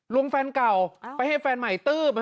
ลุงแฟนเก่าไปให้แฟนใหม่ตื้บ